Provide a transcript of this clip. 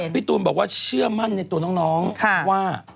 พี่ตูนบอกว่าเชื่อมั่นในตัวน้องว่า